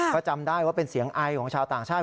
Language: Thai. ก็จำได้ว่าเป็นเสียงไอของชาวต่างชาติ